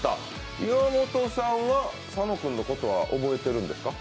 岩本さんは佐野君のことは覚えてるんですか？